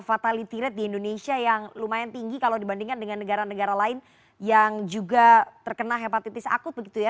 fatality rate di indonesia yang lumayan tinggi kalau dibandingkan dengan negara negara lain yang juga terkena hepatitis akut begitu ya